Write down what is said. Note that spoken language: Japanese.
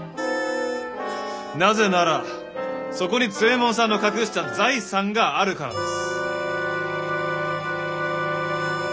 なぜならそこに津右衛門さんの隠した財産があるからです。